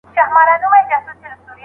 معقوله خبره به زمونږ ستونزې حل کړي.